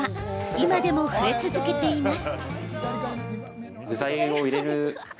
今でも増え続けています。